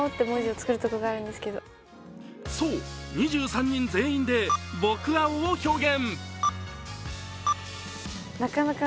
そう、２３人全員で僕青を表現。